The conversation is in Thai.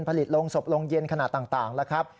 ผลิตโรงศพโรงเย็นขนาดต่างแล้วครับ